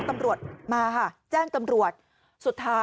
กลุ่มหนึ่งก็คือ